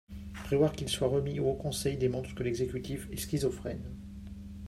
Prévoir qu’il soit remis au Haut Conseil démontre que l’exécutif est schizophrène